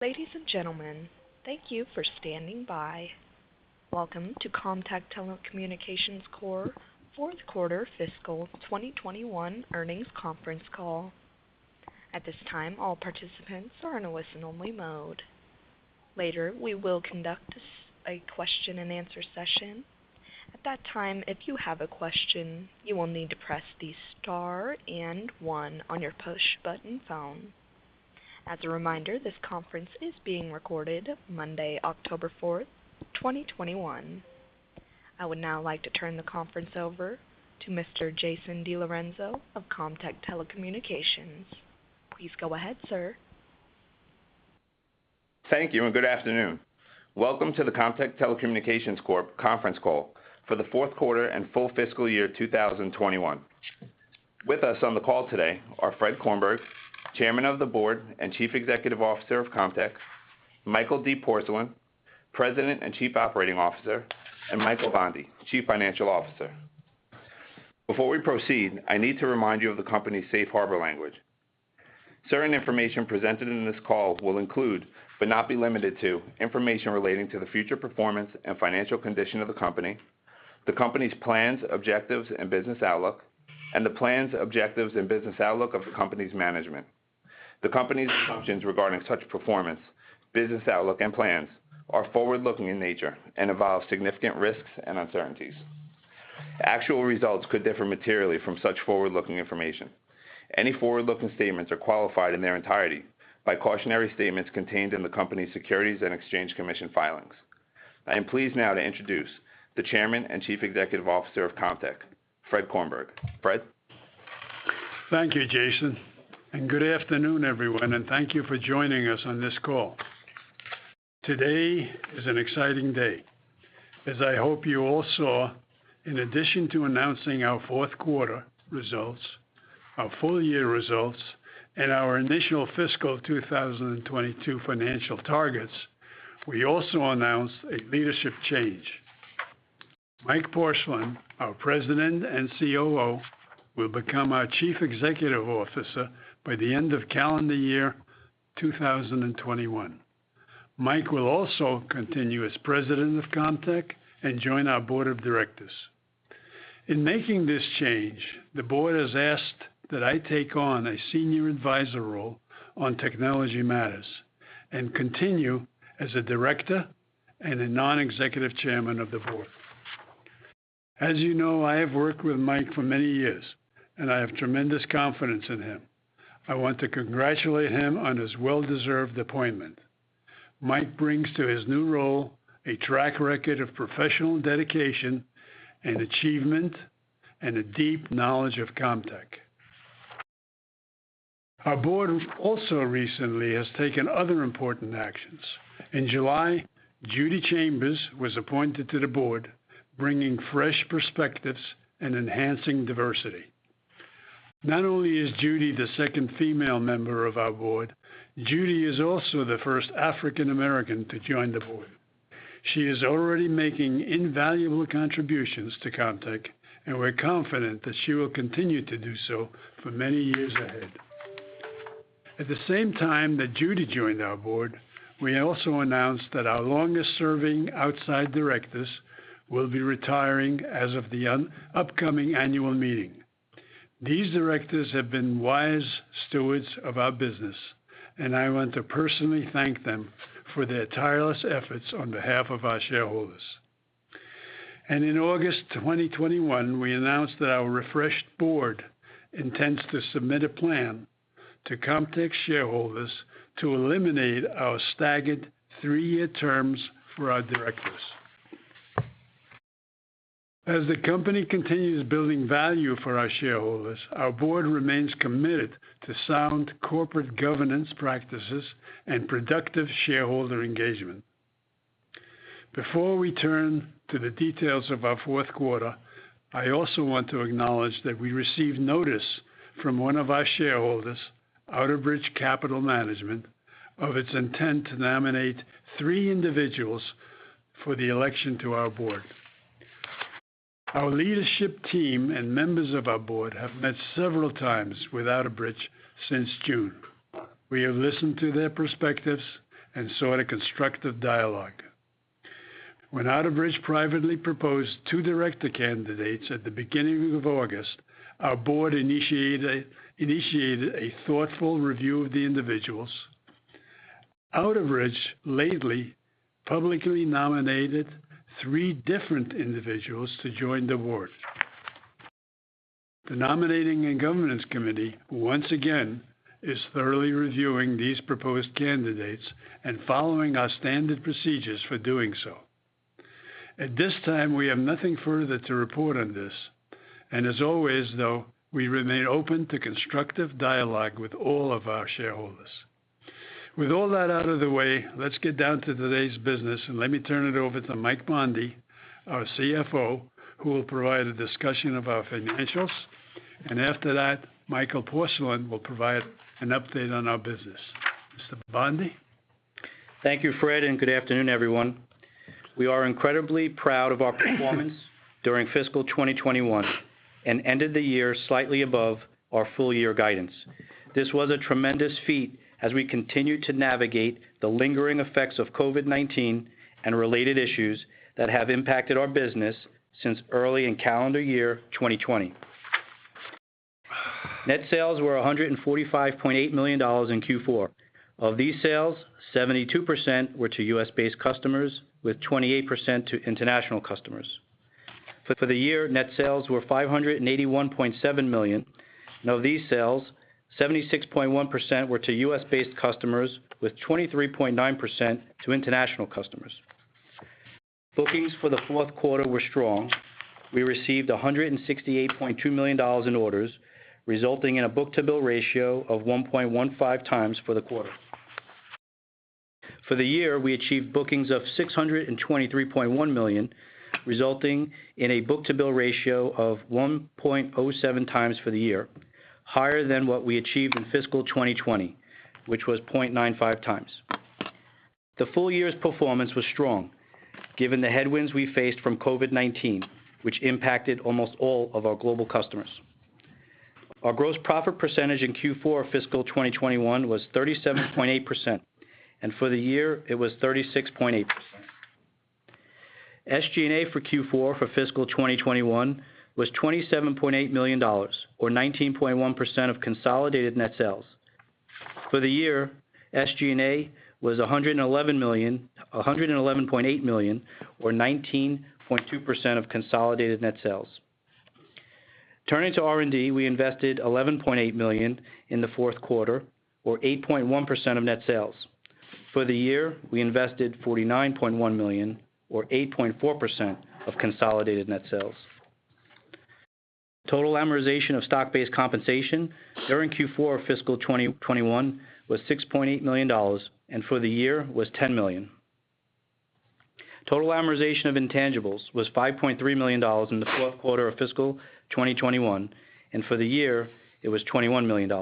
Ladies and gentlemen, thank you for standing by. Welcome to Comtech Telecommunications Corp.'s fourth quarter fiscal 2021 earnings conference call. At this time, all participants are in a listen-only mode. Later, we will conduct a question-and-answer session. At that time, if you have a question, you will need to press the star and one on your push-button phone. As a reminder, this conference is being recorded Monday, October 4th, 2021. I would now like to turn the conference over to Mr. Jason DiLorenzo of Comtech Telecommunications. Please go ahead, sir. Thank you. Good afternoon. Welcome to the Comtech Telecommunications Corp. conference call for the fourth quarter and full fiscal year 2021. With us on the call today are Fred Kornberg, Chairman of the Board and Chief Executive Officer of Comtech, Michael D. Porcelain, President and Chief Operating Officer, and Michael Bondi, Chief Financial Officer. Before we proceed, I need to remind you of the company's Safe Harbor language. Certain information presented in this call will include, but not be limited to, information relating to the future performance and financial condition of the company, the company's plans, objectives, and business outlook, and the plans, objectives, and business outlook of the company's management. The company's assumptions regarding such performance, business outlook, and plans are forward-looking in nature and involve significant risks and uncertainties. Actual results could differ materially from such forward-looking information. Any forward-looking statements are qualified in their entirety by cautionary statements contained in the company's Securities and Exchange Commission filings. I am pleased now to introduce the Chairman and Chief Executive Officer of Comtech, Fred Kornberg. Fred? Thank you, Jason, and good afternoon, everyone, and thank you for joining us on this call. Today is an exciting day, as I hope you all saw, in addition to announcing our fourth quarter results, our full-year results, and our initial fiscal 2022 financial targets, we also announced a leadership change. Michael Porcelain, our President and COO, will become our Chief Executive Officer by the end of calendar year 2021. Michael will also continue as President of Comtech and join our board of directors. In making this change, the board has asked that I take on a senior advisor role on technology matters and continue as a director and a non-executive Chairman of the Board. As you know, I have worked with Michael for many years, and I have tremendous confidence in him. I want to congratulate him on his well-deserved appointment. Mike brings to his new role a track record of professional dedication and achievement, and a deep knowledge of Comtech. Our board also recently has taken other important actions. In July, Judy Chambers was appointed to the board, bringing fresh perspectives and enhancing diversity. Not only is Judy the second female member of our board, Judy is also the first African American to join the board. She is already making invaluable contributions to Comtech, and we're confident that she will continue to do so for many years ahead. At the same time that Judy joined our board, we also announced that our longest-serving outside directors will be retiring as of the upcoming annual meeting. These directors have been wise stewards of our business, and I want to personally thank them for their tireless efforts on behalf of our shareholders. In August 2021, we announced that our refreshed board intends to submit a plan to Comtech shareholders to eliminate our staggered three-year terms for our directors. As the company continues building value for our shareholders, our board remains committed to sound corporate governance practices and productive shareholder engagement. Before we turn to the details of our fourth quarter, I also want to acknowledge that we received notice from one of our shareholders, Outerbridge Capital Management, of its intent to nominate three individuals for the election to our board. Our leadership team and members of our board have met several times with Outerbridge since June. We have listened to their perspectives and sought a constructive dialogue. When Outerbridge privately proposed two director candidates at the beginning of August, our board initiated a thoughtful review of the individuals. Outerbridge lately publicly nominated three different individuals to join the board. The Nominating and Governance Committee, once again, is thoroughly reviewing these proposed candidates and following our standard procedures for doing so. At this time, we have nothing further to report on this, and as always, though, we remain open to constructive dialogue with all of our shareholders. With all that out of the way, let's get down to today's business, and let me turn it over to Mike Bondi, our CFO, who will provide a discussion of our financials. After that, Michael Porcelain will provide an update on our business. Mr. Bondi? Thank you, Fred, and good afternoon, everyone. We are incredibly proud of our performance during fiscal 2021 and ended the year slightly above our full-year guidance. This was a tremendous feat as we continue to navigate the lingering effects of COVID-19 and related issues that have impacted our business since early in calendar year 2020. Net sales were $145.8 million in Q4. Of these sales, 72% were to U.S.-based customers, with 28% to international customers. For the year, net sales were $581.7 million. Now, of these sales, 76.1% were to U.S.-based customers with 23.9% to international customers. Bookings for the fourth quarter were strong. We received $168.2 million in orders, resulting in a book-to-bill ratio of 1.15x for the quarter. For the year, we achieved bookings of $623.1 million, resulting in a book-to-bill ratio of 1.07 times for the year, higher than what we achieved in fiscal 2020, which was 0.95 times. The full-year's performance was strong given the headwinds we faced from COVID-19, which impacted almost all of our global customers. Our gross profit percentage in Q4 fiscal 2021 was 37.8%, and for the year it was 36.8%. SG&A for Q4 for fiscal 2021 was $27.8 million, or 19.1% of consolidated net sales. For the year, SG&A was $111.8 million, or 19.2% of consolidated net sales. Turning to R&D, we invested $11.8 million in the fourth quarter, or 8.1% of net sales. For the year, we invested $49.1 million, or 8.4%, of consolidated net sales. Total amortization of stock-based compensation during Q4 fiscal 2021 was $6.8 million, and for the year was $10 million. Total amortization of intangibles was $5.3 million in the fourth quarter of fiscal 2021, and for the year it was $21 million.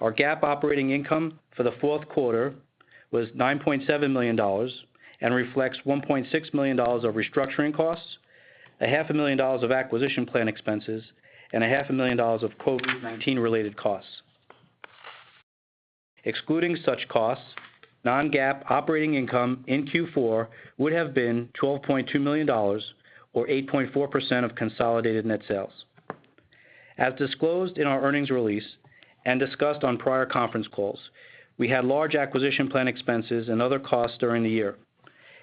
Our GAAP operating income for the fourth quarter was $9.7 million and reflects $1.6 million of restructuring costs, $5,000,000 million of acquisition plan expenses, and a $5,000,000 million of COVID-19 related costs. Excluding such costs, non-GAAP operating income in Q4 would have been $12.2 million, or 8.4% of consolidated net sales. As disclosed in our earnings release and discussed on prior conference calls, we had large acquisition plan expenses and other costs during the year.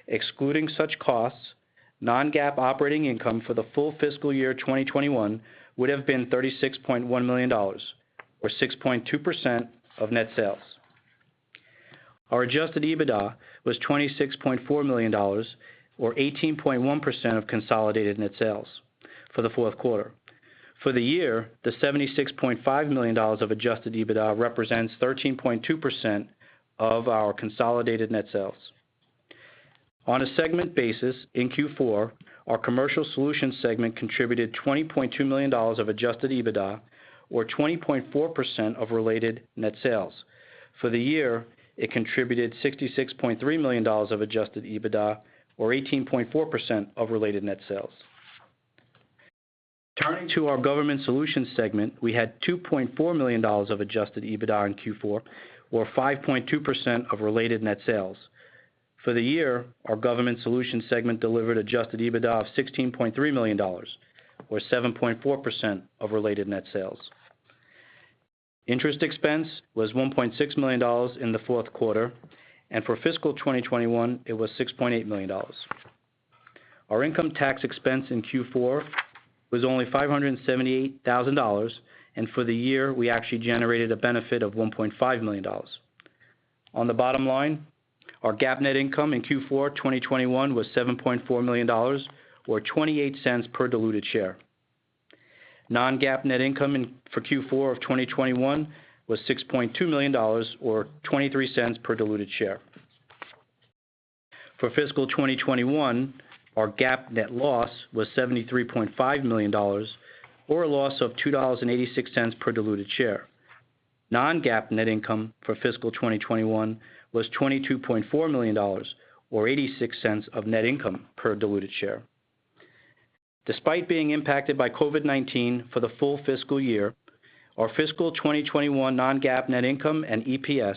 Excluding such costs, non-GAAP operating income for the full fiscal year 2021 would have been $36.1 million, or 6.2% of net sales. Our adjusted EBITDA was $26.4 million, or 18.1% of consolidated net sales for the fourth quarter. For the year, the $76.5 million of adjusted EBITDA represents 13.2% of our consolidated net sales. On a segment basis in Q4, our Commercial Solutions segment contributed $20.2 million of adjusted EBITDA, or 20.4%, of related net sales. For the year, it contributed $66.3 million of adjusted EBITDA, or 18.4%, of related net sales. Turning to our Government Solutions segment, we had $2.4 million of adjusted EBITDA in Q4, or 5.2%, of related net sales. For the year, our Government Solutions segment delivered adjusted EBITDA of $16.3 million, or 7.4%, of related net sales. Interest expense was $1.6 million in the fourth quarter, and for fiscal 2021 it was $6.8 million. Our income tax expense in Q4 was only $578,000, and for the year we actually generated a benefit of $1.5 million. On the bottom line, our GAAP net income in Q4 2021 was $7.4 million, or $0.28 per diluted share. Non-GAAP net income for Q4 of 2021 was $6.2 million, or $0.23 per diluted share. For fiscal 2021, our GAAP net loss was $73.5 million, or a loss of $2.86 per diluted share. Non-GAAP net income for fiscal 2021 was $22.4 million, or $0.86 of net income per diluted share. Despite being impacted by COVID-19 for the full fiscal year, our fiscal 2021 non-GAAP net income and EPS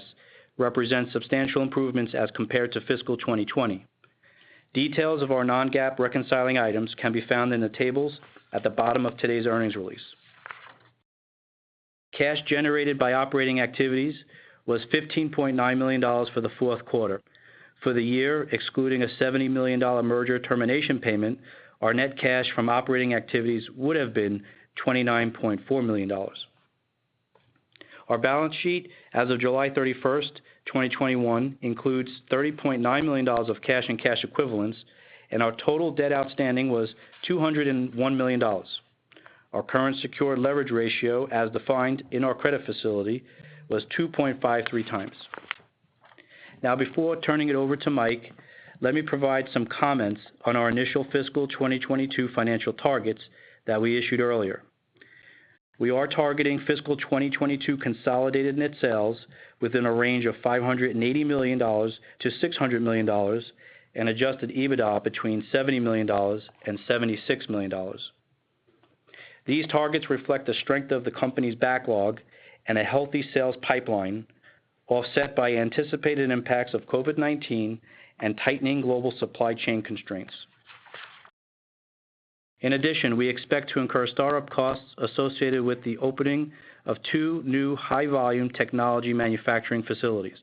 represent substantial improvements as compared to fiscal 2020. Details of our non-GAAP reconciling items can be found in the tables at the bottom of today's earnings release. Cash generated by operating activities was $15.9 million for the fourth quarter. For the year, excluding a $70 million merger termination payment, our net cash from operating activities would have been $29.4 million. Our balance sheet as of July 31st, 2021, includes $30.9 million of cash and cash equivalents, and our total debt outstanding was $201 million. Our current secured leverage ratio, as defined in our credit facility, was 2.53 times. Now, before turning it over to Mike, let me provide some comments on our initial fiscal 2022 financial targets that we issued earlier. We are targeting fiscal 2022 consolidated net sales within a range of $580 million-$600 million, and adjusted EBITDA between $70 million and $76 million. These targets reflect the strength of the company's backlog and a healthy sales pipeline, offset by anticipated impacts of COVID-19 and tightening global supply chain constraints. In addition, we expect to incur startup costs associated with the opening of two new high-volume technology manufacturing facilities.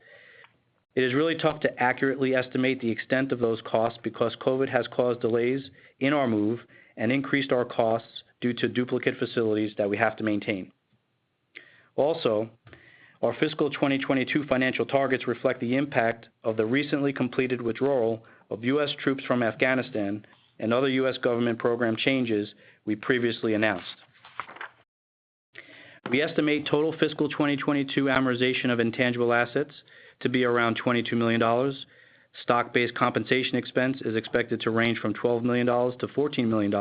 It is really tough to accurately estimate the extent of those costs because COVID has caused delays in our move and increased our costs due to duplicate facilities that we have to maintain. Also, our fiscal 2022 financial targets reflect the impact of the recently completed withdrawal of U.S. troops from Afghanistan and other U.S. government program changes we previously announced. We estimate total fiscal 2022 amortization of intangible assets to be around $22 million. Stock-based compensation expense is expected to range from $12 million-$14 million.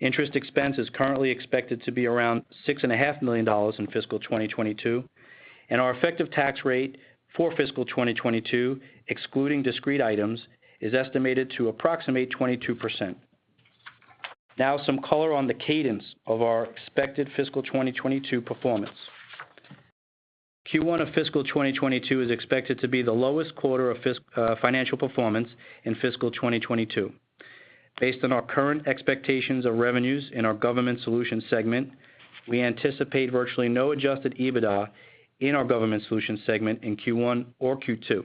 Interest expense is currently expected to be around $6.5 million in fiscal 2022, and our effective tax rate for fiscal 2022, excluding discrete items, is estimated to approximate 22%. Now, some color on the cadence of our expected fiscal 2022 performance. Q1 of fiscal 2022 is expected to be the lowest quarter of financial performance in fiscal 2022. Based on our current expectations of revenues in our Government Solutions segment, we anticipate virtually no adjusted EBITDA in our Government Solutions segment in Q1 or Q2.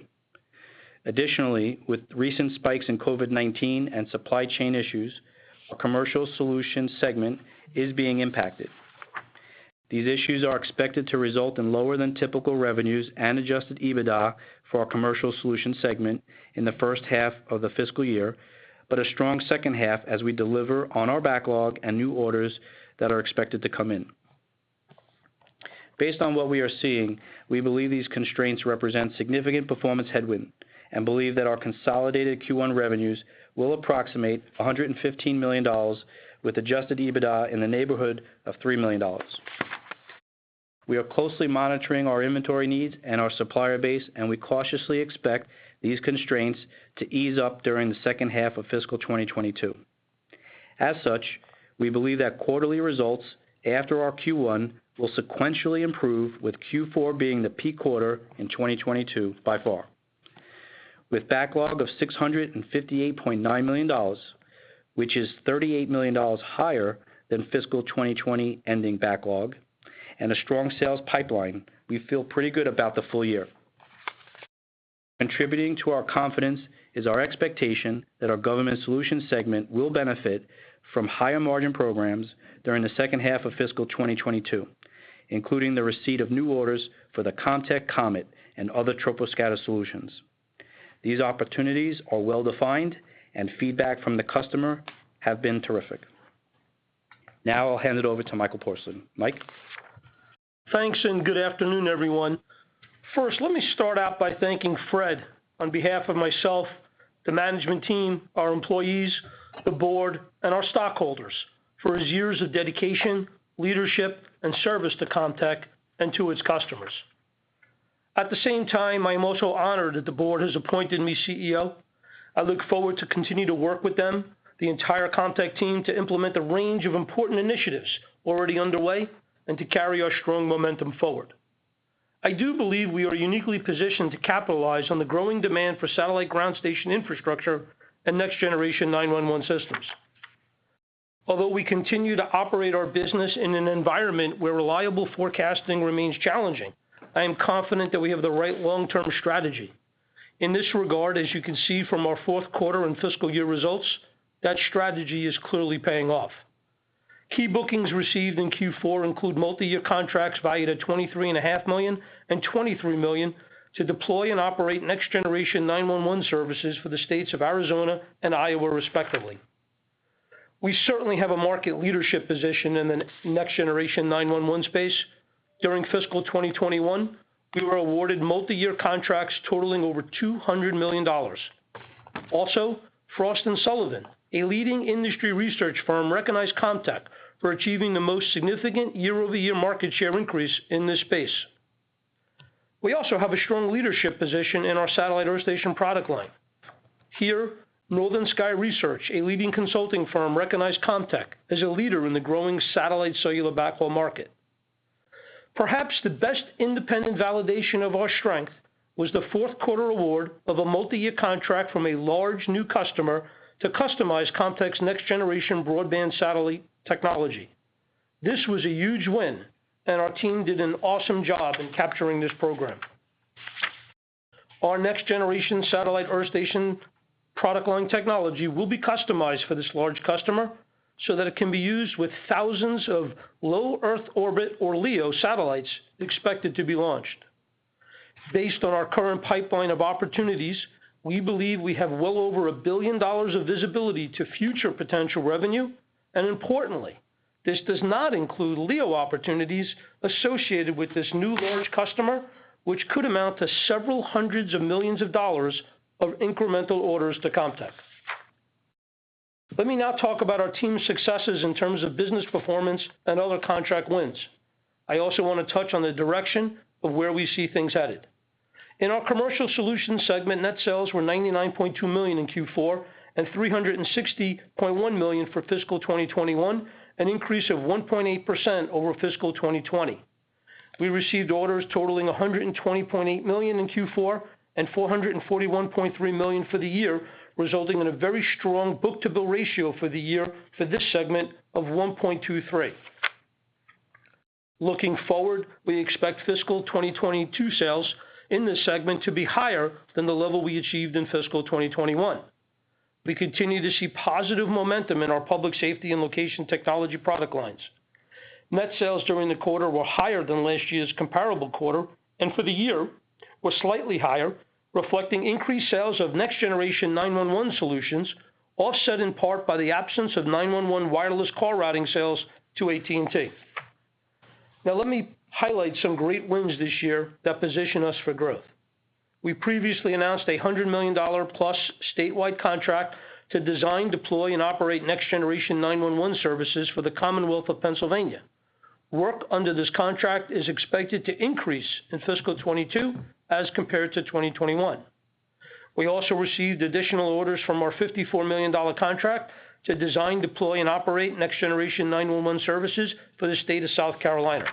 With recent spikes in COVID-19 and supply chain issues, our Commercial Solutions segment is being impacted. These issues are expected to result in lower than typical revenues and adjusted EBITDA for our Commercial Solutions segment in the first half of the fiscal year, but a strong second half as we deliver on our backlog and new orders that are expected to come in. Based on what we are seeing, we believe these constraints represent significant performance headwind, and believe that our consolidated Q1 revenues will approximate $115 million with adjusted EBITDA in the neighborhood of $3 million. We are closely monitoring our inventory needs and our supplier base. We cautiously expect these constraints to ease up during the second half of fiscal 2022. As such, we believe that quarterly results after our Q1 will sequentially improve, with Q4 being the peak quarter in 2022 by far. With backlog of $658.9 million, which is $38 million higher than fiscal 2020 ending backlog, and a strong sales pipeline, we feel pretty good about the full-year. Contributing to our confidence is our expectation that our Government Solutions segment will benefit from higher margin programs during the second half of fiscal 2022, including the receipt of new orders for the Comtech COMET and other troposcatter solutions. These opportunities are well-defined. Feedback from the customer have been terrific. Now, I'll hand it over to Michael Porcelain. Mike? Thanks. Good afternoon, everyone. First, let me start out by thanking Fred on behalf of myself, the management team, our employees, the board, and our stockholders for his years of dedication, leadership, and service to Comtech and to its customers. At the same time, I am also honored that the board has appointed me CEO. I look forward to continue to work with them, the entire Comtech team, to implement the range of important initiatives already underway and to carry our strong momentum forward. I do believe we are uniquely positioned to capitalize on the growing demand for satellite ground station infrastructure and Next Generation 911 systems. Although we continue to operate our business in an environment where reliable forecasting remains challenging, I am confident that we have the right long-term strategy. In this regard, as you can see from our fourth quarter and fiscal year results, that strategy is clearly paying off. Key bookings received in Q4 include multi-year contracts valued at $23.5 million and $23 million to deploy and operate Next Generation 911 services for the states of Arizona and Iowa respectively. We certainly have a market leadership position in the Next Generation 911 space. During fiscal 2021, we were awarded multi-year contracts totaling over $200 million. Frost & Sullivan, a leading industry research firm, recognized Comtech for achieving the most significant year-over-year market share increase in this space. We also have a strong leadership position in our satellite earth station product line. Here, Northern Sky Research, a leading consulting firm, recognized Comtech as a leader in the growing satellite cellular backhaul market. Perhaps the best independent validation of our strength was the fourth quarter award of a multi-year contract from a large new customer to customize Comtech's next-generation broadband satellite technology. This was a huge win, and our team did an awesome job in capturing this program. Our next-generation satellite earth station product line technology will be customized for this large customer so that it can be used with thousands of low Earth orbit or LEO satellites expected to be launched. Based on our current pipeline of opportunities, we believe we have well over $1 billion of visibility to future potential revenue, and importantly, this does not include LEO opportunities associated with this new large customer, which could amount to several hundreds of millions of dollars of incremental orders to Comtech. Let me now talk about our team's successes in terms of business performance and other contract wins. I also want to touch on the direction of where we see things headed. In our Commercial Solutions segment, net sales were $99.2 million in Q4 and $360.1 million for fiscal 2021, an increase of 1.8% over fiscal 2020. We received orders totaling $120.8 million in Q4 and $441.3 million for the year, resulting in a very strong book-to-bill ratio for the year for this segment of 1.23. Looking forward, we expect fiscal 2022 sales in this segment to be higher than the level we achieved in fiscal 2021. We continue to see positive momentum in our public safety and location technology product lines. Net sales during the quarter were higher than last year's comparable quarter. For the year, were slightly higher, reflecting increased sales of Next Generation 911 solutions, offset in part by the absence of 911 wireless call routing sales to AT&T. Now let me highlight some great wins this year that position us for growth. We previously announced a $100+million statewide contract to design, deploy, and operate Next Generation 911 services for the Commonwealth of Pennsylvania. Work under this contract is expected to increase in fiscal 2022 as compared to 2021. We also received additional orders from our $54 million contract to design, deploy, and operate Next Generation 911 services for the State of South Carolina.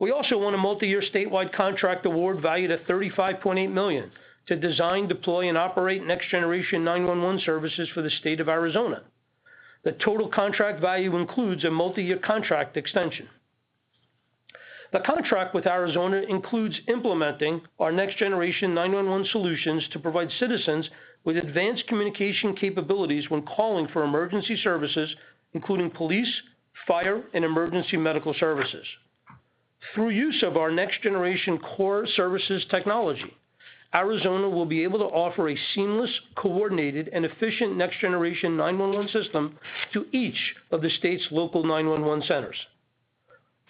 We also won a multiyear statewide contract award valued at $35.8 million to design, deploy, and operate Next Generation 911 services for the State of Arizona. The total contract value includes a multiyear contract extension. The contract with Arizona includes implementing our Next Generation 911 solutions to provide citizens with advanced communication capabilities when calling for emergency services, including police, fire, and emergency medical services. Through use of our Next Generation 911 core services technology, Arizona will be able to offer a seamless, coordinated, and efficient Next Generation 911 system to each of the state's local 911 centers.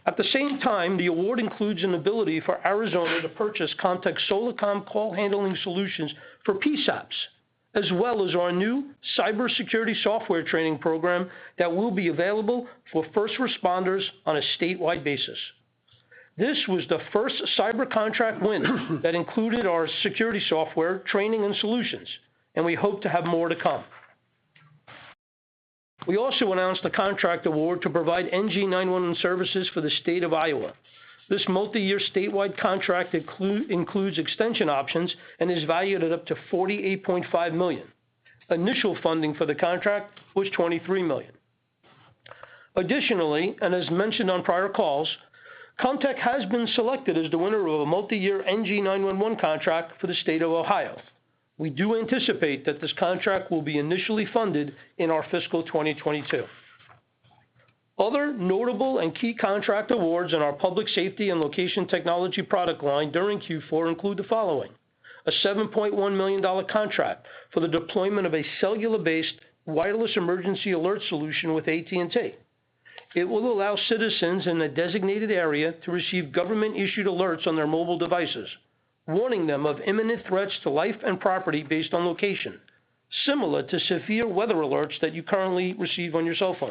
At the same time, the award includes an ability for Arizona to purchase Comtech Solacom call handling solutions for PSAPs, as well as our new cybersecurity software training program that will be available for first responders on a statewide basis. This was the first cyber contract win that included our security software training and solutions, and we hope to have more to come. We also announced a contract award to provide NG911 services for the State of Iowa. This multiyear statewide contract includes extension options and is valued at up to $48.5 million. Initial funding for the contract was $23 million. Additionally, as mentioned on prior calls, Comtech has been selected as the winner of a multiyear NG911 contract for the State of Ohio. We do anticipate that this contract will be initially funded in our fiscal 2022. Other notable and key contract awards in our public safety and location technology product line during Q4 include the following. A $7.1 million contract for the deployment of a cellular-based wireless emergency alert solution with AT&T. It will allow citizens in a designated area to receive government-issued alerts on their mobile devices, warning them of imminent threats to life and property based on location, similar to severe weather alerts that you currently receive on your cell phone.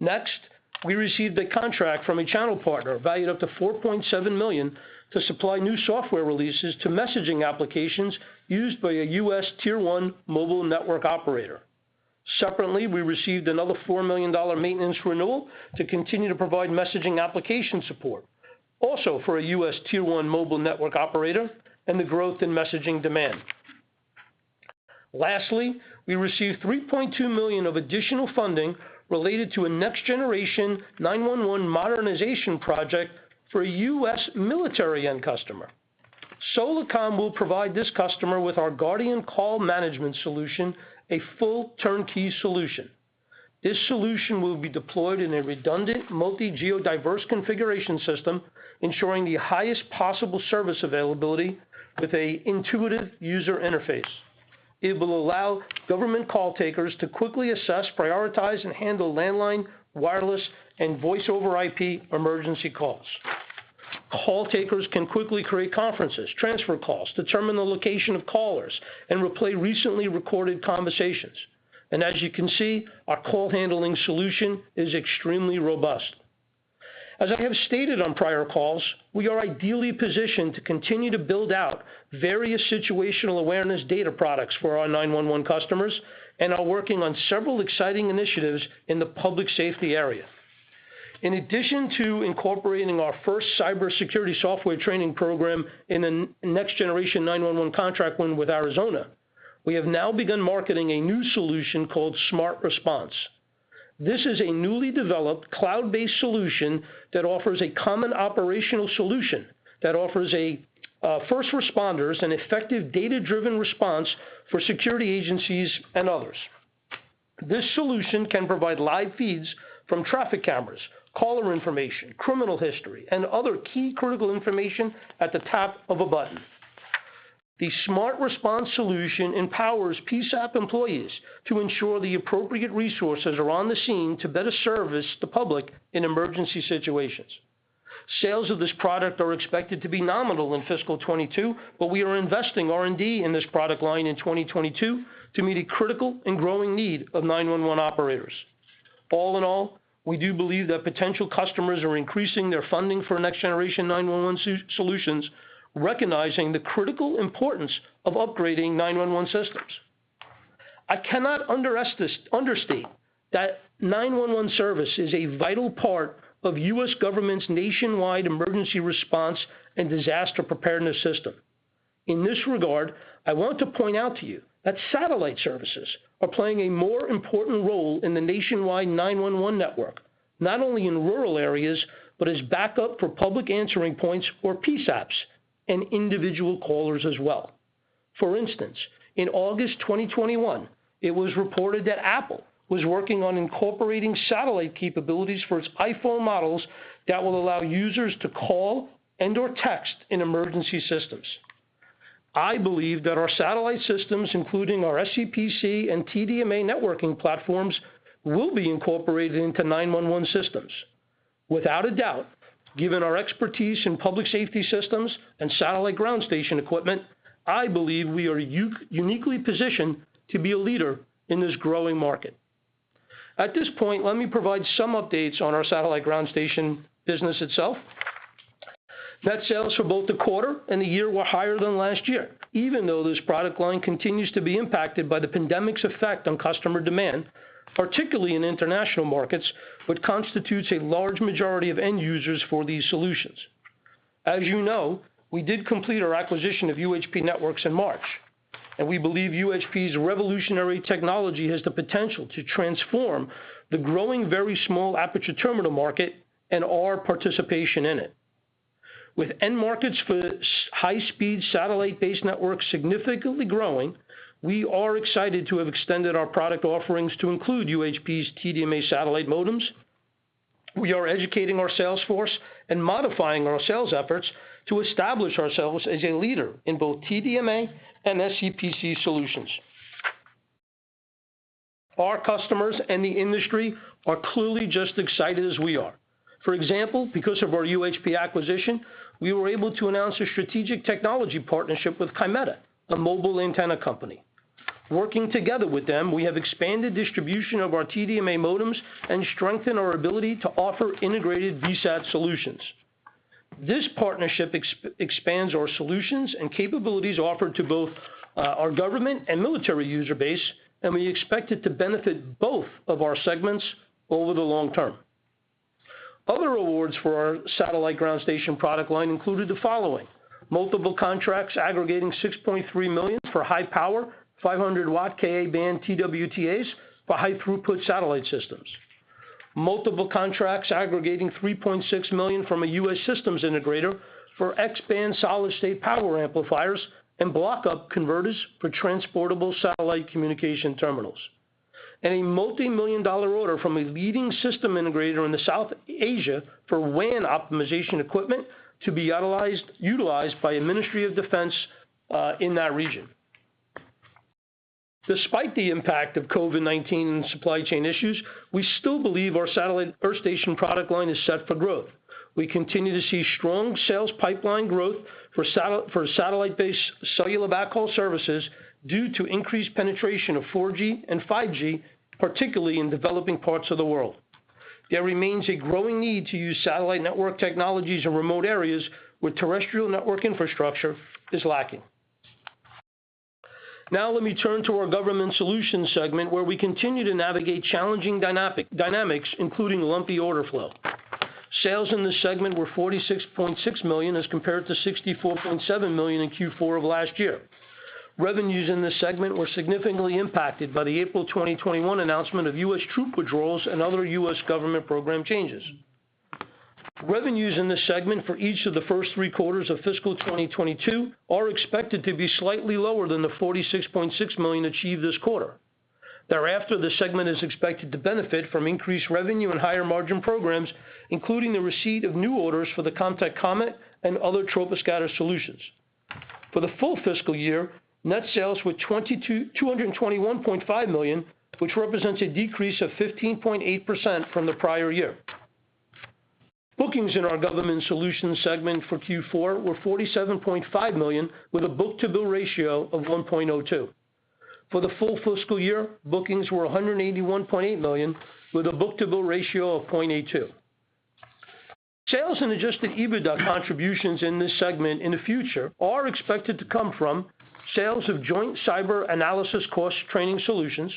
Next, we received a contract from a channel partner valued up to $4.7 million to supply new software releases to messaging applications used by a U.S. tier one mobile network operator. Separately, we received another $4 million maintenance renewal to continue to provide messaging application support, also for a U.S. tier one mobile network operator and the growth in messaging demand. Lastly, we received $3.2 million of additional funding related to a Next Generation 911 modernization project for a U.S. military end customer. Solacom will provide this customer with our Guardian call management solution, a full turnkey solution. This solution will be deployed in a redundant multi-geodiverse configuration system, ensuring the highest possible service availability with an intuitive user interface. It will allow government call takers to quickly assess, prioritize, and handle landline, wireless, and Voice-over-IP emergency calls. Call takers can quickly create conferences, transfer calls, determine the location of callers, and replay recently recorded conversations. As you can see, our call handling solution is extremely robust. As I have stated on prior calls, we are ideally positioned to continue to build out various situational awareness data products for our 911 customers and are working on several exciting initiatives in the public safety area. In addition to incorporating our first cybersecurity software training program in a Next Generation 911 contract win with Arizona, we have now begun marketing a new solution called SmartResponse. This is a newly developed cloud-based solution that offers a common operational picture that offers first responders an effective data-driven response for security agencies and others. This solution can provide live feeds from traffic cameras, caller information, criminal history, and other key critical information at the tap of a button. The SmartResponse solution empowers PSAP employees to ensure the appropriate resources are on the scene to better service the public in emergency situations. Sales of this product are expected to be nominal in fiscal 2022, but we are investing R&D in this product line in 2022 to meet a critical and growing need of 911 operators. All in all, we do believe that potential customers are increasing their funding for Next Generation 911 solutions, recognizing the critical importance of upgrading 911 systems. I cannot understate that 911 service is a vital part of U.S. government's nationwide emergency response and disaster preparedness system. In this regard, I want to point out to you that satellite services are playing a more important role in the nationwide 911 network, not only in rural areas, but as backup for public answering points or PSAPs, and individual callers as well. For instance, in August 2021, it was reported that Apple was working on incorporating satellite capabilities for its iPhone models that will allow users to call and/or text in emergency systems. I believe that our satellite systems, including our SCPC and TDMA networking platforms, will be incorporated into 911 systems. Without a doubt, given our expertise in public safety systems and satellite ground station equipment, I believe we are uniquely positioned to be a leader in this growing market. At this point, let me provide some updates on our satellite ground station business itself. Net sales for both the quarter and the year were higher than last year, even though this product line continues to be impacted by the pandemic's effect on customer demand, particularly in international markets, which constitutes a large majority of end users for these solutions. As you know, we did complete our acquisition of UHP Networks in March, and we believe UHP's revolutionary technology has the potential to transform the growing very small aperture terminal market and our participation in it. With end markets for high-speed satellite-based networks significantly growing, we are excited to have extended our product offerings to include UHP's TDMA satellite modems. We are educating our sales force and modifying our sales efforts to establish ourselves as a leader in both TDMA and SCPC solutions. Our customers and the industry are clearly just excited as we are. For example, because of our UHP acquisition, we were able to announce a strategic technology partnership with Kymeta, a mobile antenna company. Working together with them, we have expanded distribution of our TDMA modems and strengthened our ability to offer integrated VSAT solutions. This partnership expands our solutions and capabilities offered to both our government and military user base, and we expect it to benefit both of our segments over the long-term. Other awards for our satellite ground station product line included the following. Multiple contracts aggregating $6.3 million for high-power 500-watt Ka-band TWTAs for high-throughput satellite systems. Multiple contracts aggregating $3.6 million from a U.S. systems integrator for X-band solid-state power amplifiers and block up converters for transportable satellite communication terminals. A multimillion-dollar order from a leading system integrator in the South Asia for WAN optimization equipment to be utilized by a Ministry of Defense in that region. Despite the impact of COVID-19 and supply chain issues, we still believe our satellite earth station product line is set for growth. We continue to see strong sales pipeline growth for satellite-based cellular backhaul services due to increased penetration of 4G and 5G, particularly in developing parts of the world. There remains a growing need to use satellite network technologies in remote areas where terrestrial network infrastructure is lacking. Let me turn to our Government Solutions segment, where we continue to navigate challenging dynamics, including lumpy order flow. Sales in this segment were $46.6 million as compared to $64.7 million in Q4 of last year. Revenues in this segment were significantly impacted by the April 2021 announcement of U.S. troop withdrawals and other U.S. government program changes. Revenues in this segment for each of the first three quarters of fiscal 2022 are expected to be slightly lower than the $46.6 million achieved this quarter. Thereafter, the segment is expected to benefit from increased revenue and higher-margin programs, including the receipt of new orders for the Comtech COMET and other troposcatter solutions. For the full fiscal year, net sales were $221.5 million, which represents a decrease of 15.8% from the prior year. Bookings in our Government Solutions segment for Q4 were $47.5 million, with a book-to-bill ratio of 1.02. For the full fiscal year, bookings were $181.8 million, with a book-to-bill ratio of 0.82. Sales and adjusted EBITDA contributions in this segment in the future are expected to come from sales of Joint Cyber Analysis Course training solutions,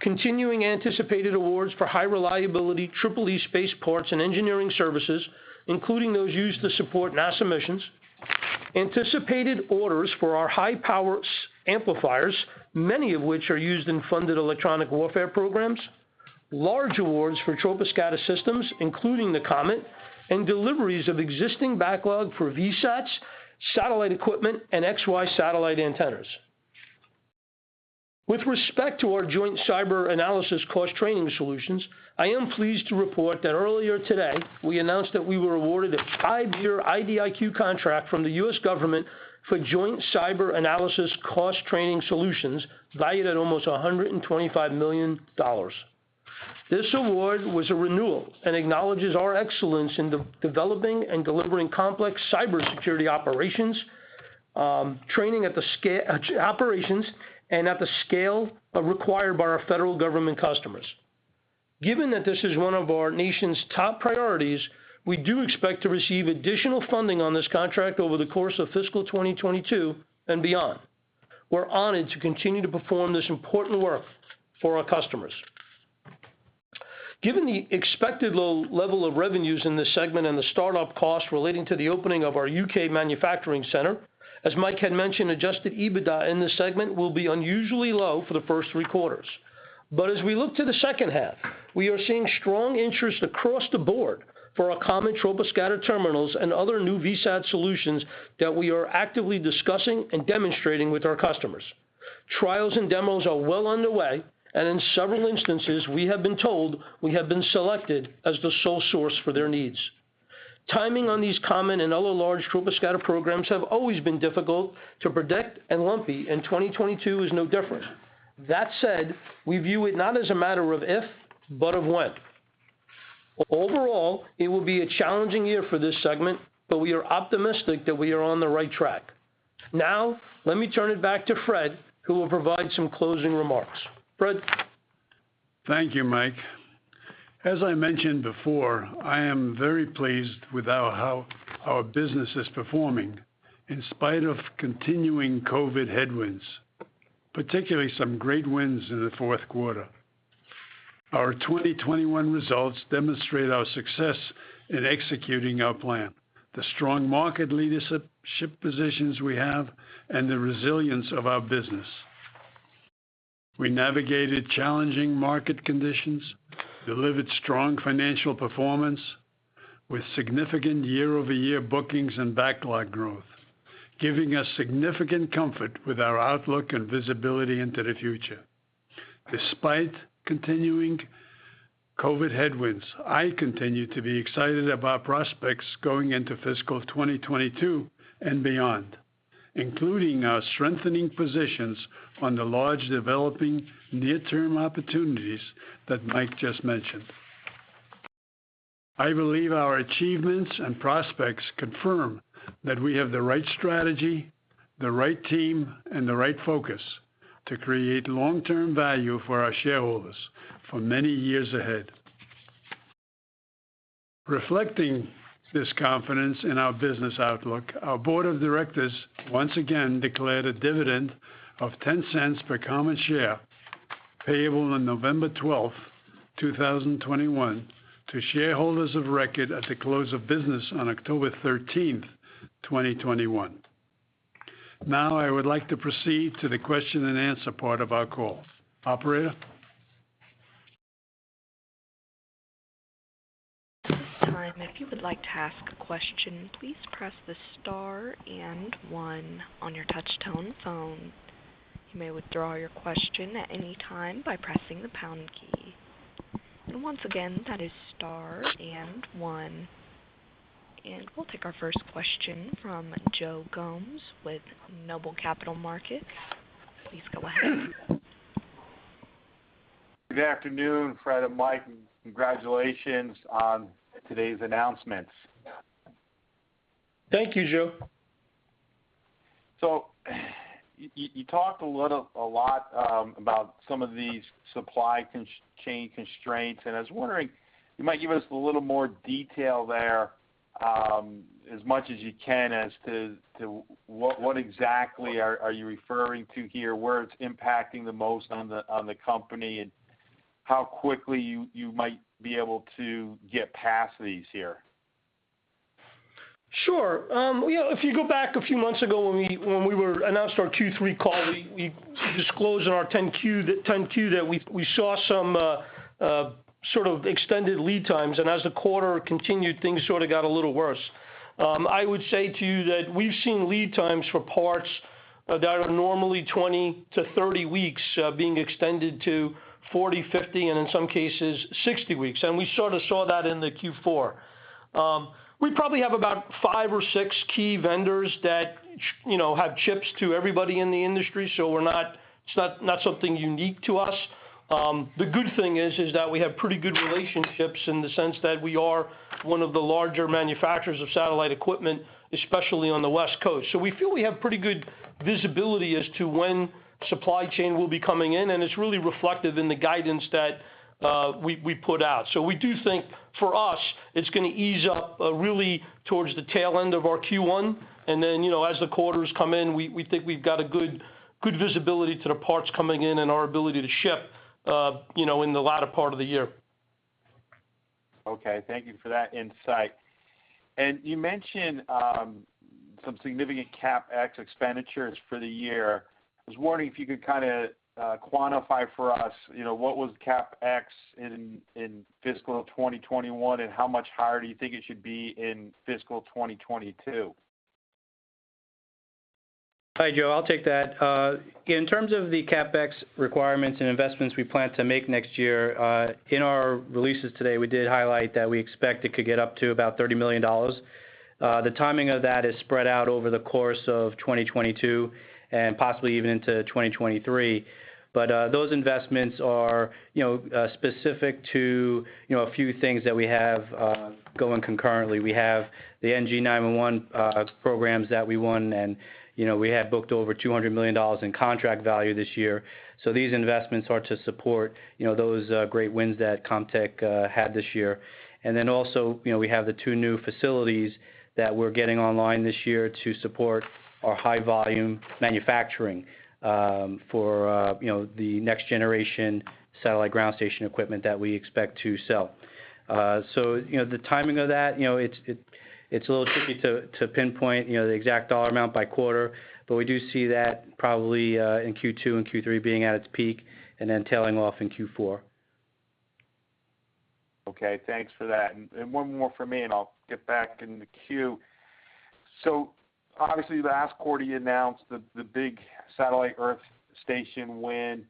continuing anticipated awards for high reliability EEE space parts and engineering services, including those used to support NASA missions, anticipated orders for our high-power amplifiers, many of which are used in funded electronic warfare programs, large awards for troposcatter systems, including the COMET, and deliveries of existing backlog for VSATs, satellite equipment, and X/Y satellite antennas. With respect to our Joint Cyber Analysis Course training solutions, I am pleased to report that earlier today, we announced that we were awarded a five year IDIQ contract from the U.S. government for Joint Cyber Analysis Course training solutions valued at almost $125 million. This award was a renewal and acknowledges our excellence in developing and delivering complex cybersecurity operations, training at the operations, and at the scale required by our federal government customers. Given that this is one of our nation's top priorities, we do expect to receive additional funding on this contract over the course of fiscal 2022 and beyond. We're honored to continue to perform this important work for our customers. Given the expected low level of revenues in this segment and the start-up costs relating to the opening of our U.K. manufacturing center, as Mike had mentioned, adjusted EBITDA in this segment will be unusually low for the first three quarters. As we look to the second half, we are seeing strong interest across the board for our COMET troposcatter terminals and other new VSAT solutions that we are actively discussing and demonstrating with our customers. Trials and demos are well underway. In several instances, we have been told we have been selected as the sole source for their needs. Timing on these COMET and other large troposcatter programs have always been difficult to predict and lumpy. 2022 is no different. That said, we view it not as a matter of if, but of when. Overall, it will be a challenging year for this segment. We are optimistic that we are on the right track. Now, let me turn it back to Fred, who will provide some closing remarks. Fred? Thank you, Mike. As I mentioned before, I am very pleased with how our business is performing in spite of continuing COVID headwinds, particularly some great wins in the fourth quarter. Our 2021 results demonstrate our success in executing our plan, the strong market leadership positions we have, and the resilience of our business. We navigated challenging market conditions, delivered strong financial performance with significant year-over-year bookings and backlog growth, giving us significant comfort with our outlook and visibility into the future. Despite continuing COVID headwinds, I continue to be excited about prospects going into fiscal 2022 and beyond, including our strengthening positions on the large developing near-term opportunities that Mike just mentioned. I believe our achievements and prospects confirm that we have the right strategy, the right team, and the right focus to create long-term value for our shareholders for many years ahead. Reflecting this confidence in our business outlook, our board of directors once again declared a dividend of $0.10 per common share, payable on November 12th, 2021 to shareholders of record at the close of business on October 13th, 2021. Now, I would like to proceed to the question-and -answer part of our call. Operator? At this time, if you would like to ask a question, please press the star and one on your touch-tone phone. You may withdraw your question at any time by pressing the pound key. Once again, that is star and one. We'll take our first question from Joe Gomes with Noble Capital Markets. Please go ahead. Good afternoon, Fred and Mike, and congratulations on today's announcements. Thank you, Joe. You talked a lot about some of these supply chain constraints, and I was wondering, you might give us a little more detail there, as much as you can as to what exactly are you referring to here, where it's impacting the most on the company, and how quickly you might be able to get past these here? Sure. If you go back a few months ago when we announced our Q3 call, we disclosed in our 10-Q that we saw some sort of extended lead times, and as the quarter continued, things sort of got a little worse. I would say to you that we've seen lead times for parts that are normally 20-30 weeks being extended to 40, 50, and in some cases, 60 weeks, and we sort of saw that in the Q4. We probably have about five or six key vendors that have chips to everybody in the industry, so it's not something unique to us. The good thing is that we have pretty good relationships in the sense that we are one of the larger manufacturers of satellite equipment, especially on the West Coast. We feel we have pretty good visibility as to when supply chain will be coming in, and it's really reflected in the guidance that we put out. We do think, for us, it's going to ease up really towards the tail end of our Q1, and then as the quarters come in, we think we've got a good visibility to the parts coming in and our ability to ship in the latter part of the year. Okay. Thank you for that insight. You mentioned some significant CapEx expenditures for the year. I was wondering if you could kind of quantify for us what was CapEx in fiscal 2021, and how much higher do you think it should be in fiscal 2022? Hi, Joe. I'll take that. In terms of the CapEx requirements and investments we plan to make next year, in our releases today, we did highlight that we expect it could get up to about $30 million. The timing of that is spread out over the course of 2022, and possibly even into 2023. Those investments are specific to a few things that we have going concurrently. We have the NG911 programs that we won, and we have booked over $200 million in contract value this year. These investments are to support those great wins that Comtech had this year. Also, we have the two new facilities that we're getting online this year to support our high-volume manufacturing for the next-generation satellite ground station equipment that we expect to sell. The timing of that, it's a little tricky to pinpoint the exact dollar amount by quarter. We do see that probably in Q2 and Q3 being at its peak, and then tailing off in Q4. Okay. Thanks for that. One more from me, and I'll get back in the queue. Obviously, last quarter you announced the big satellite earth station win.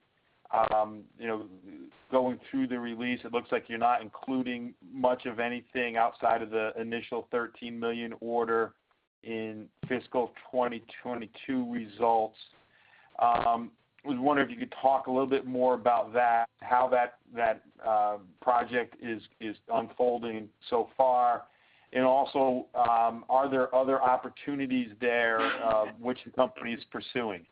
Going through the release, it looks like you're not including much of anything outside of the initial $13 million order in fiscal 2022 results. I was wondering if you could talk a little bit more about that, how that project is unfolding so far, and also, are there other opportunities there which the company is pursuing?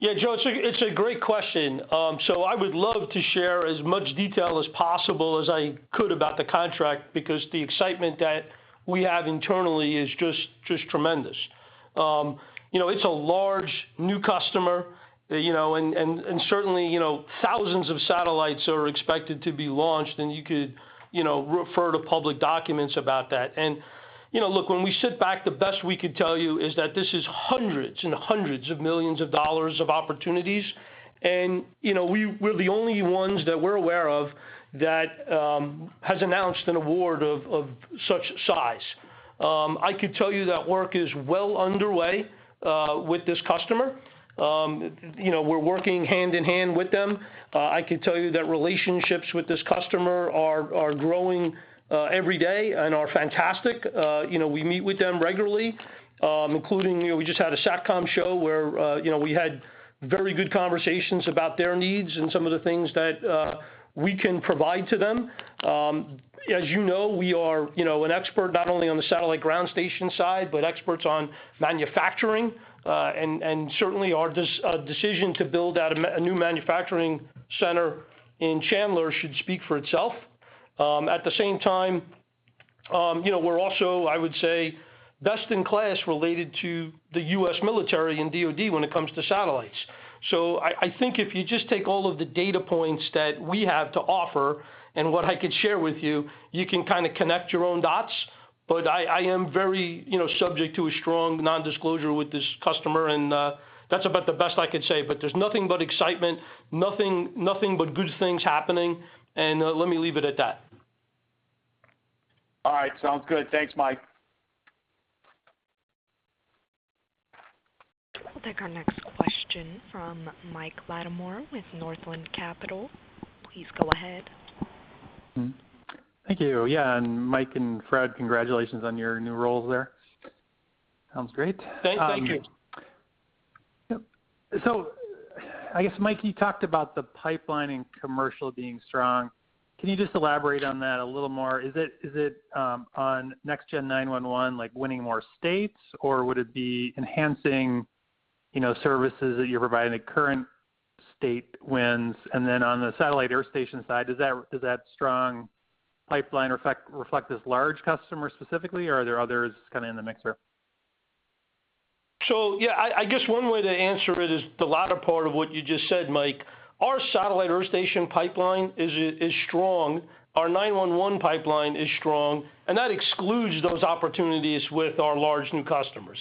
Yeah, Joe, it's a great question. I would love to share as much detail as possible as I could about the contract, because the excitement that we have internally is just tremendous. It's a large new customer, and certainly, thousands of satellites are expected to be launched, and you could refer to public documents about that. Look, when we sit back, the best we could tell you is that this is hundreds and hundreds of millions of dollars of opportunities. We're the only ones that we're aware of that has announced an award of such size. I could tell you that work is well underway with this customer. We're working hand-in-hand with them. I could tell you that relationships with this customer are growing every day and are fantastic. We meet with them regularly, including, we just had a SATCOM show where we had very good conversations about their needs and some of the things that we can provide to them. As you know, we are an expert not only on the satellite ground station side, but experts on manufacturing. Certainly our decision to build out a new manufacturing center in Chandler should speak for itself. At the same time, we're also, I would say, best in class related to the U.S. military and DOD when it comes to satellites. I think if you just take all of the data points that we have to offer and what I could share with you can kind of connect your own dots. I am very subject to a strong non-disclosure with this customer, and that's about the best I could say. There's nothing but excitement, nothing but good things happening, and let me leave it at that. All right. Sounds good. Thanks, Mike. We'll take our next question from Mike Latimore with Northland Capital. Please go ahead. Thank you. Yeah, Mike and Fred, congratulations on your new roles there. Sounds great. Thank you. Yep. I guess, Michael, you talked about the pipeline and Commercial being strong. Can you just elaborate on that a little more? Is it on Next-Gen 911, like winning more states, or would it be enhancing services that you're providing to current state wins? On the satellite earth station side, does that strong pipeline reflect this large customer specifically, or are there others kind of in the mixer? Yeah, I guess one way to answer it is the latter part of what you just said, Mike. Our satellite earth station pipeline is strong. Our 911 pipeline is strong, and that excludes those opportunities with our large new customers.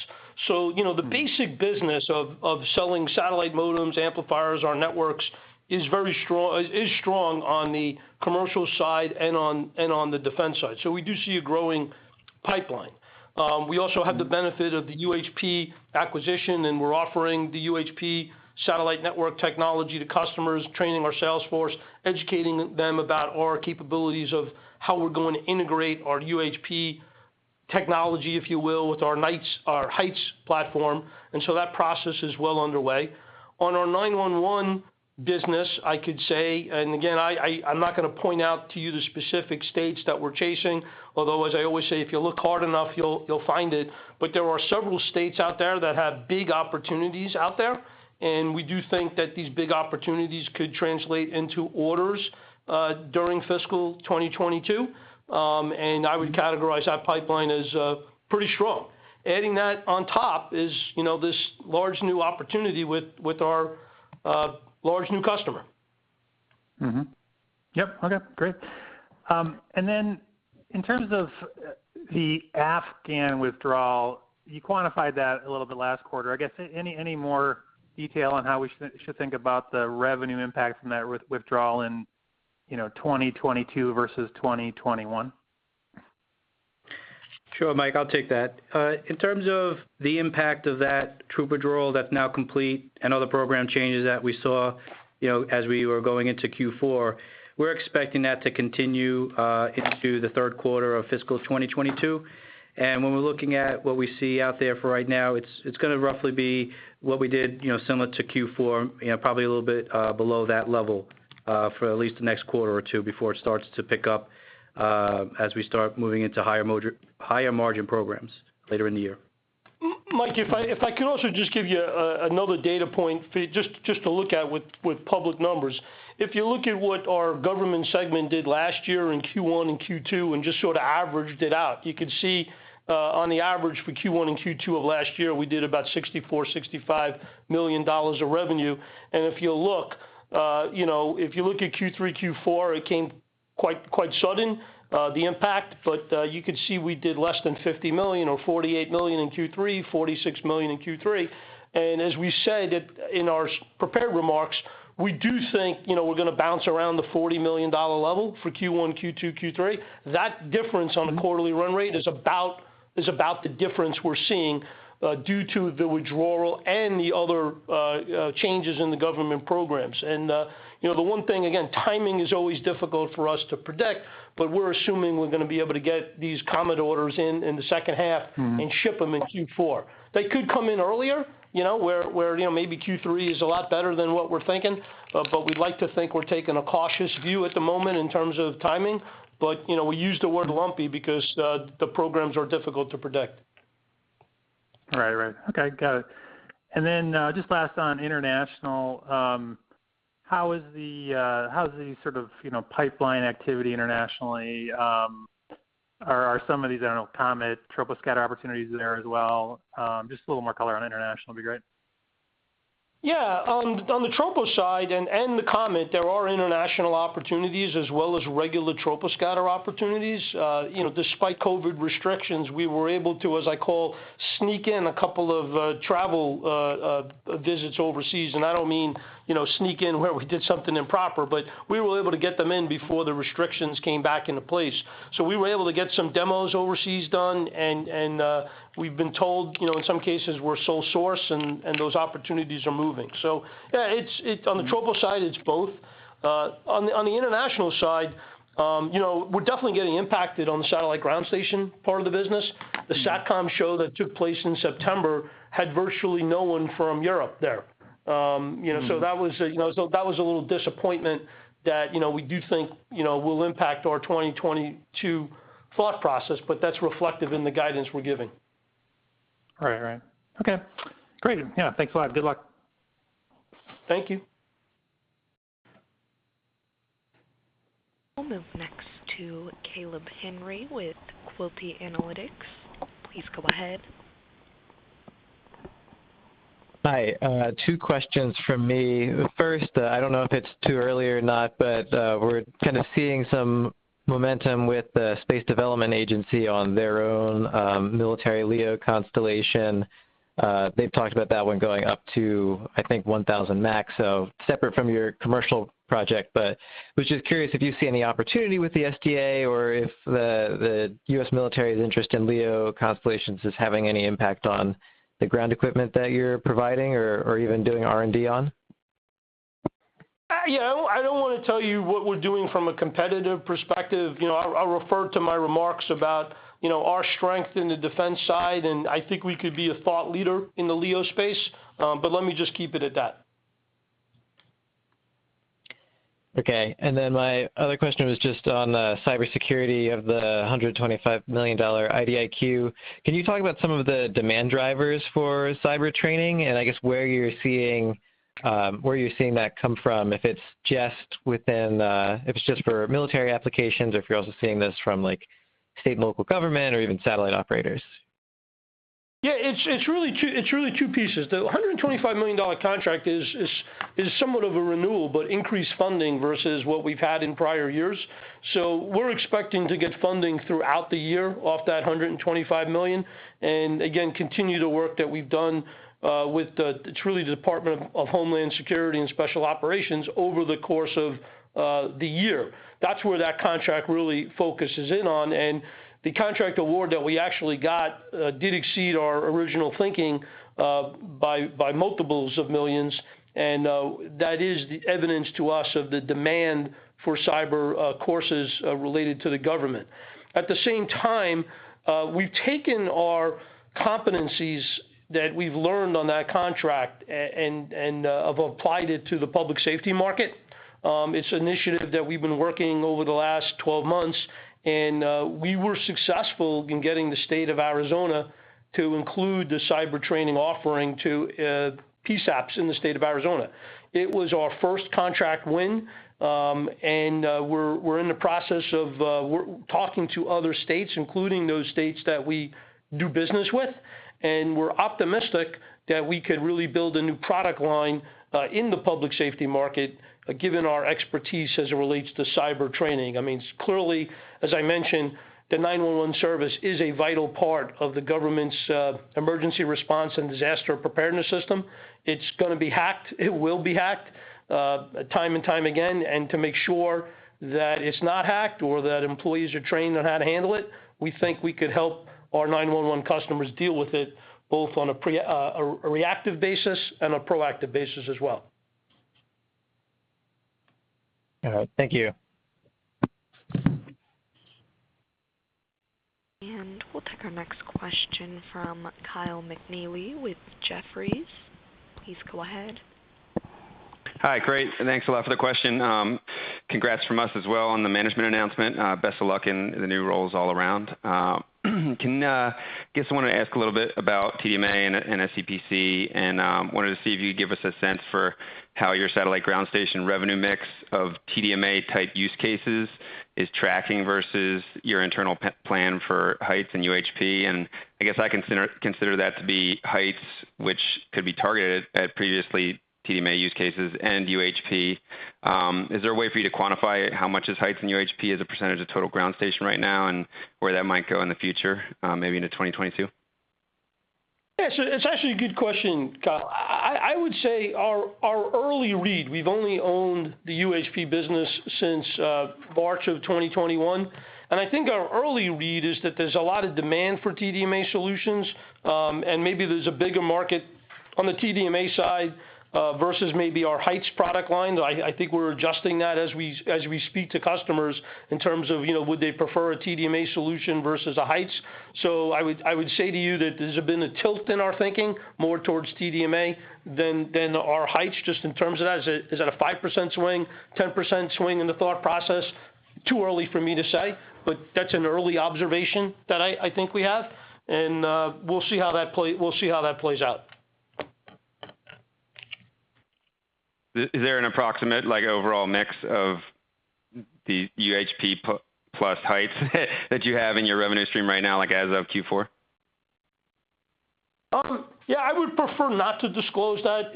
The basic business of selling satellite modems, amplifiers, our networks, is strong on the commercial side and on the defense side. We do see a growing pipeline. We also have the benefit of the UHP acquisition, and we're offering the UHP satellite network technology to customers, training our sales force, educating them about our capabilities of how we're going to integrate our UHP technology, if you will, with our Heights platform, and so that process is well underway. On our 911 business, I could say, again, I'm not going to point out to you the specific states that we're chasing, although, as I always say, if you look hard enough, you'll find it, there are several states out there that have big opportunities out there, and we do think that these big opportunities could translate into orders during fiscal 2022. I would categorize our pipeline as pretty strong. Adding that on top is this large new opportunity with our large new customer. Mm-hmm. Yep. Okay, great. In terms of the Afghan withdrawal, you quantified that a little bit last quarter. I guess, any more detail on how we should think about the revenue impact from that withdrawal in 2022 versus 2021? Sure, Mike, I'll take that. In terms of the impact of that troop withdrawal that's now complete and other program changes that we saw as we were going into Q4, we're expecting that to continue into the third quarter of fiscal 2022. When we're looking at what we see out there for right now, it's going to roughly be what we did similar to Q4, probably a little bit below that level, for at least the next quarter or two before it starts to pick up as we start moving into higher margin programs later in the year. Mike, if I could also just give you another data point just to look at with public numbers. You look at what our Government Solutions did last year in Q1 and Q2 and just sort of averaged it out, you could see on the average for Q1 and Q2 of last year, we did about $64 million-$65 million of revenue. If you look at Q3, Q4, it came quite sudden, the impact, but you could see we did less than $50 million, or $48 million in Q3, $46 million in Q3. As we said in our prepared remarks, we do think we're going to bounce around the $40 million level for Q1, Q2, Q3. That difference on the quarterly run rate is about the difference we're seeing due to the withdrawal and the other changes in the government programs. The one thing, again, timing is always difficult for us to predict, but we're assuming we're going to be able to get these COMET orders in in the second half and ship them in Q4. They could come in earlier, where maybe Q3 is a lot better than what we're thinking. We'd like to think we're taking a cautious view at the moment in terms of timing. We use the word lumpy because the programs are difficult to predict. Right. Okay, got it. Just last on international. How's the sort of pipeline activity internationally? Are some of these, I don't know, COMET, Troposcatter opportunities there as well? Just a little more color on international would be great. Yeah. On the Tropos side and the COMET, there are international opportunities as well as regular Troposcatter opportunities. Despite COVID restrictions, we were able to, as I call, sneak in two travel visits overseas. I don't mean sneak in where we did something improper, but we were able to get them in before the restrictions came back into place. We were able to get some demos overseas done and we've been told, in some cases, we're sole source, and those opportunities are moving. Yeah, on the Tropos side, it's both. On the international side, we're definitely getting impacted on the satellite ground station part of the business. The SATCOM show that took place in September had virtually no one from Europe there. That was a little disappointment that we do think will impact our 2022 thought process, but that's reflective in the guidance we're giving. Right. Okay, great. Yeah, thanks a lot. Good luck. Thank you. We'll move next to Caleb Henry with Quilty Analytics. Please go ahead. Hi. Two questions from me. First, I don't know if it's too early or not, but we're kind of seeing some momentum with the Space Development Agency on their own military LEO constellation. They've talked about that one going up to, I think, 1,000 max. Separate from your commercial project, but was just curious if you see any opportunity with the SDA or if the U.S. military's interest in LEO constellations is having any impact on the ground equipment that you're providing or even doing R&D on? I don't want to tell you what we're doing from a competitive perspective. I'll refer to my remarks about our strength in the defense side, I think we could be a thought leader in the LEO space. Let me just keep it at that. Okay. My other question was just on the cybersecurity of the $125 million IDIQ. Can you talk about some of the demand drivers for cyber training and I guess where you're seeing that come from, if it's just for military applications or if you're also seeing this from state and local government or even satellite operators? Yeah, it's really two pieces. The $125 million contract is somewhat of a renewal, increased funding versus what we've had in prior years. We're expecting to get funding throughout the year off that $125 million, and again, continue the work that we've done with the, it's really the U.S. Department of Homeland Security and Special Operations over the course of the year. That's where that contract really focuses in on. The contract award that we actually got did exceed our original thinking by multiples of millions, and that is the evidence to us of the demand for cyber courses related to the government. At the same time, we've taken our competencies that we've learned on that contract and have applied it to the public safety market. It's an initiative that we've been working over the last 12 months. We were successful in getting the state of Arizona to include the cyber training offering to PSAPs in the state of Arizona. It was our first contract win. We're in the process of talking to other states, including those states that we do business with. We're optimistic that we could really build a new product line in the public safety market, given our expertise as it relates to cyber training. Clearly, as I mentioned, the 911 service is a vital part of the government's emergency response and disaster preparedness system. It's going to be hacked. It will be hacked time and time again. To make sure that it's not hacked or that employees are trained on how to handle it, we think we could help our 911 customers deal with it, both on a reactive basis and a proactive basis as well. All right. Thank you. We'll take our next question from Kyle McNealy with Jefferies. Please go ahead. Hi. Great, and thanks a lot for the question. Congrats from us as well on the management announcement. Best of luck in the new roles all around. I want to ask a little bit about TDMA and SCPC, and wanted to see if you could give us a sense for how your satellite ground station revenue mix of TDMA-type use cases is tracking versus your internal plan for Heights and UHP. I consider that to be Heights, which could be targeted at previously TDMA use cases and UHP. Is there a way for you to quantify how much is Heights and UHP as a percentage of total ground station right now, and where that might go in the future, maybe into 2022? Yeah, it's actually a good question, Kyle. I would say our early read, we've only owned the UHP business since March of 2021, and I think our early read is that there's a lot of demand for TDMA solutions, and maybe there's a bigger market on the TDMA side versus maybe our Heights product line. I think we're adjusting that as we speak to customers in terms of, would they prefer a TDMA solution versus a Heights. I would say to you that there's been a tilt in our thinking more towards TDMA than our Heights, just in terms of that. Is that a 5% swing, 10% swing in the thought process? Too early for me to say, that's an early observation that I think we have, and we'll see how that plays out. Is there an approximate overall mix of the UHP plus Heights that you have in your revenue stream right now, like as of Q4? Yeah, I would prefer not to disclose that,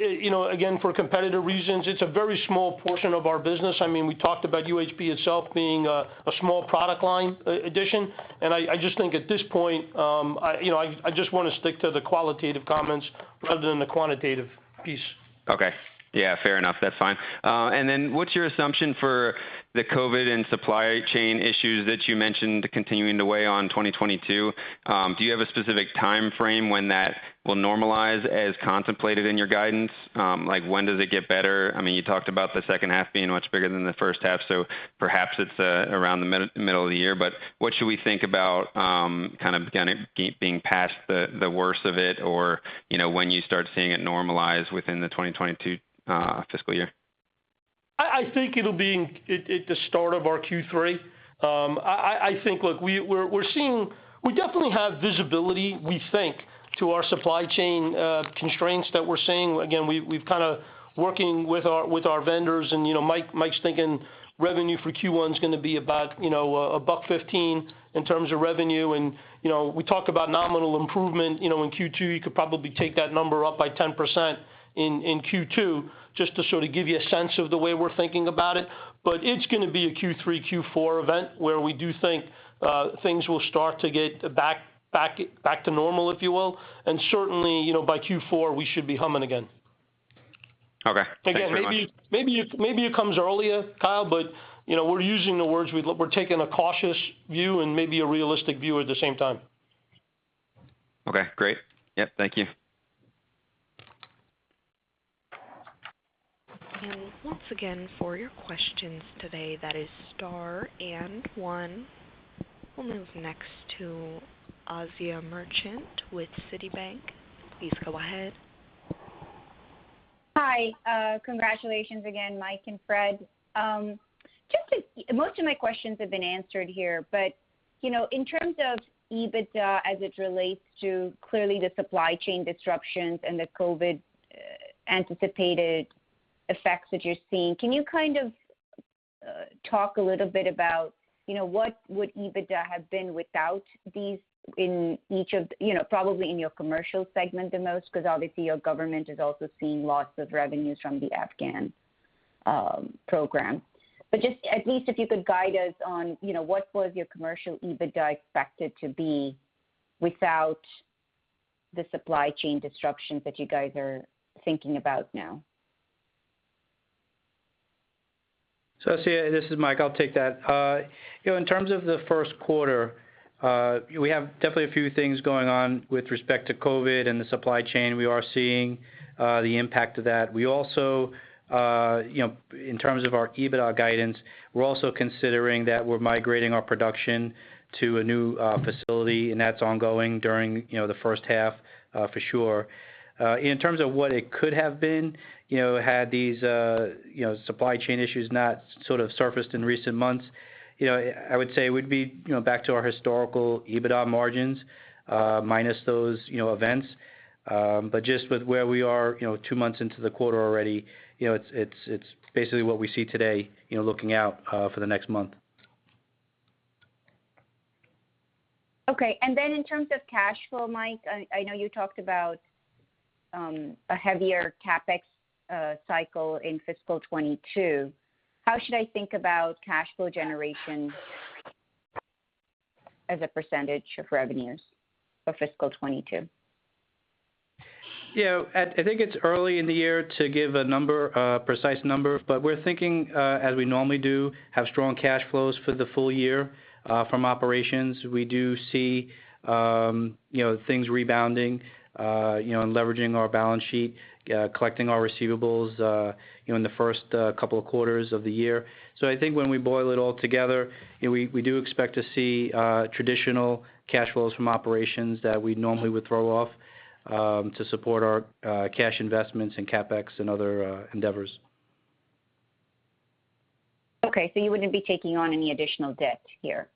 again, for competitive reasons. It's a very small portion of our business. We talked about UHP itself being a small product line addition. I just think at this point, I just want to stick to the qualitative comments rather than the quantitative piece. Okay. Yeah, fair enough. That's fine. What's your assumption for the COVID-19 and supply chain issues that you mentioned continuing to weigh on 2022? Do you have a specific timeframe when that will normalize as contemplated in your guidance? When does it get better? You talked about the second half being much bigger than the first half, so perhaps it's around the middle of the year, but what should we think about being past the worst of it or when you start seeing it normalize within the 2022 fiscal year? I think it'll be at the start of our Q3. I think, look, we definitely have visibility, we think, to our supply chain constraints that we're seeing. Again, we've kind of working with our vendors, and Mike's thinking revenue for Q1 is going to be about $115 in terms of revenue. We talk about nominal improvement in Q2. You could probably take that number up by 10% in Q2, just to sort of give you a sense of the way we're thinking about it. It's going to be a Q3, Q4 event where we do think things will start to get back to normal, if you will. Certainly, by Q4, we should be humming again. Okay. Thanks very much. Again, maybe it comes earlier, Kyle, but we're using the words, we're taking a cautious view and maybe a realistic view at the same time. Okay, great. Yep. Thank you. Once again, for your questions today, that is star and one. We'll move next to Asiya Merchant with Citibank. Please go ahead. Hi. Congratulations again, Mike and Fred. Most of my questions have been answered here, in terms of EBITDA as it relates to clearly the supply chain disruptions and the COVID anticipated effects that you're seeing, can you kind of talk a little bit about what would EBITDA have been without these probably in your commercial segment the most, because obviously your government is also seeing lots of revenues from the Afghan program. Just at least if you could guide us on what was your commercial EBITDA expected to be without the supply chain disruptions that you guys are thinking about now. Asiya, this is Mike. I'll take that. In terms of the first quarter, we have definitely a few things going on with respect to COVID and the supply chain. We are seeing the impact of that. In terms of our EBITDA guidance, we're also considering that we're migrating our production to a new facility, and that's ongoing during the first half for sure. In terms of what it could have been, had these supply chain issues not sort of surfaced in recent months, I would say we'd be back to our historical EBITDA margins minus those events. Just with where we are two months into the quarter already, it's basically what we see today looking out for the next month. Okay. In terms of cash flow, Mike, I know you talked about a heavier CapEx cycle in fiscal 2022. How should I think about cash flow generation as a percentage of revenues for fiscal 2022? I think it's early in the year to give a precise number. We're thinking, as we normally do, have strong cash flows for the full-year from operations. We do see things rebounding and leveraging our balance sheet, collecting our receivables in the first couple of quarters of the year. I think when we boil it all together, we do expect to see traditional cash flows from operations that we normally would throw off to support our cash investments and CapEx and other endeavors. Okay, you wouldn't be taking on any additional debt here?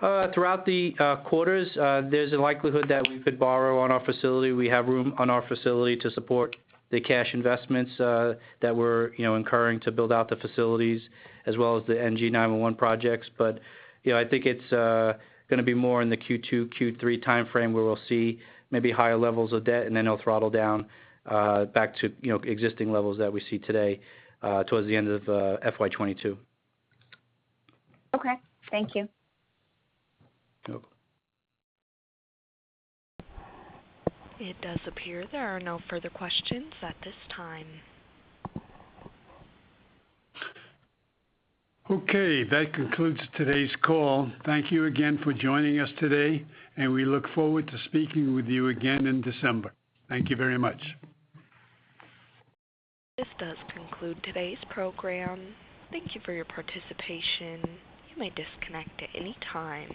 Throughout the quarters, there's a likelihood that we could borrow on our facility. We have room on our facility to support the cash investments that we're incurring to build out the facilities as well as the NG911 projects. I think it's going to be more in the Q2, Q3 timeframe where we'll see maybe higher levels of debt, and then it'll throttle down back to existing levels that we see today towards the end of FY 2022. Okay. Thank you. No. It does appear there are no further questions at this time. Okay, that concludes today's call. Thank you again for joining us today, and we look forward to speaking with you again in December. Thank you very much. This does conclude today's program. Thank you for your participation. You may disconnect at any time.